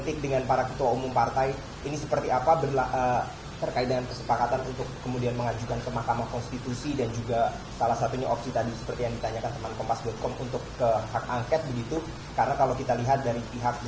tapi ketika semua diam kan tidak berhenti